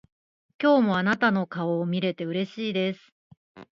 今日もあなたの顔を見れてうれしいです。